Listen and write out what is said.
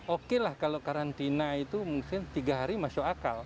oke lah kalau karantina itu mungkin tiga hari masuk akal